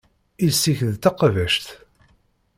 Iles-ik d taqabact.